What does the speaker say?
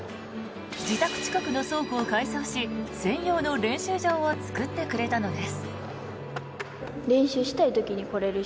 自宅近くの倉庫を改装し専用の練習場を作ってくれたのです。